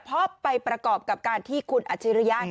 เพราะไปประกอบกับการที่คุณอัจฉริยะ